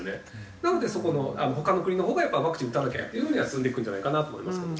なのでそこの他の国のほうがやっぱワクチン打たなきゃっていう風には進んでいくんじゃないかなと思いますけど。